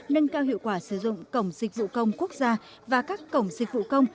nâng cao hiệu quả sử dụng cổng dịch vụ công quốc gia và các cổng dịch vụ công